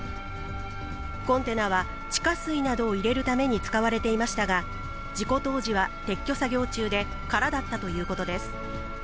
コンテナは地下水などを入れるために使われていましたが、事故当時は撤去作業中で、空だったということです。